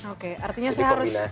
oke artinya saya harus